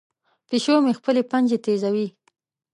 پیشو مې خپلې پنجې تیزوي.